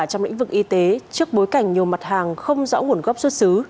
trong lĩnh vực y tế trước bối cảnh nhiều mặt hàng không rõ nguồn gốc xuất xứ